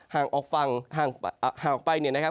ห่างออกไปเนี่ยนะครับ